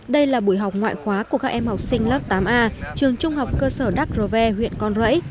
đây là buổi học ngoại khóa của các em học sinh lớp tám a trường trung học cơ sở đắc re huyện con rẫy